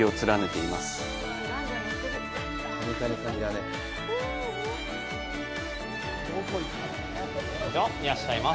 いらっしゃいませ。